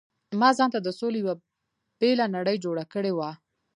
ما ځانته د سولې یو بېله نړۍ جوړه کړې وه.